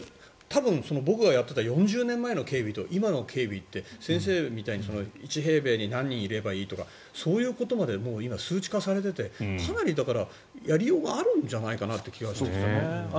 多分、僕がやっていた４０年前の警備と今の警備って先生みたいに１平米に何人いればいいとかそういうことまで今、数値化されていてかなりやりようがあるんじゃないかなっていう気がしているんですよね。